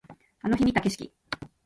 あの日見た景色